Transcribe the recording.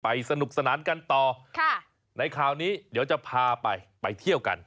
สนุกสนานกันต่อในคราวนี้เดี๋ยวจะพาไปไปเที่ยวกัน